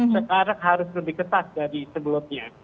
sekarang harus lebih ketat dari sebelumnya